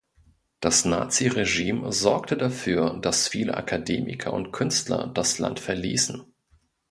Das Nazi-Regime sorgte dafür, dass viele Akademiker und Künstler das Land verließen.